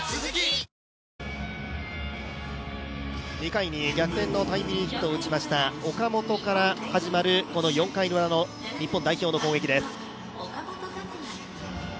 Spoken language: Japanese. ２回に逆転のタイムリーヒットを打ちました岡本から始まるこの４回ウラの日本代表の攻撃です